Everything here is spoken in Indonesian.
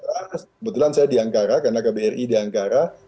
kebetulan saya di angkara karena ke bri di angkara